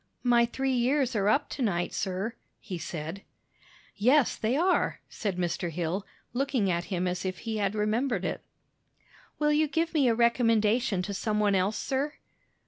"My three years are up tonight, sir," he said. "Yes, they are," said Mr. Hill, looking at him as if he had remembered it. "Will you give me a recommendation to some one else, sir?"